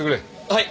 はい。